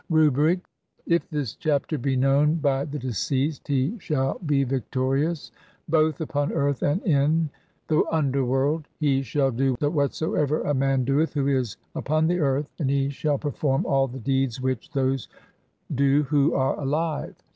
Rubric : if this chapter be known [by the deceased] he shall BE VICTORIOUS BOTH UPON EARTH AND IN (5i) THE UNDERWORLD. HE SHALL DO WHATSOEVER A MAN DOETH WHO IS UPON THE EARTH, AND HE SHALL PERFORM ALL THE DEEDS WHICH THOSE DO WHO ARE [ALIVE].